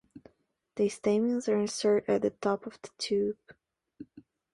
The stamens are inserted at the top of the tube.